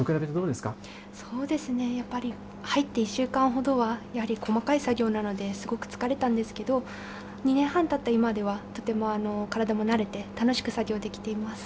そうですね、やっぱり入って１週間ほどは、やはり細かい作業なので、すごく疲れたんですけど、２年半たった今では、とても体も慣れて、楽しく作業できています。